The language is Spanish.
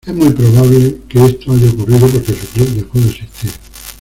Es muy probable que esto haya ocurrido porque su club dejó de existir.